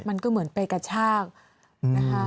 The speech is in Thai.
มันก็เหมือนไปกระชากนะคะ